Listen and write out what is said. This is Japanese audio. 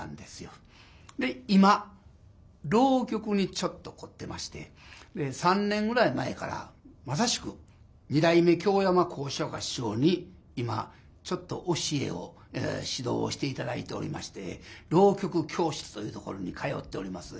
で今浪曲にちょっと凝ってまして３年ぐらい前からまさしく二代目京山幸枝若師匠に今ちょっと教えを指導をして頂いておりまして浪曲教室というところに通っております。